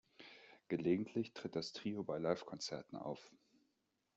Gelegentlich tritt das Trio bei Livekonzerten auf.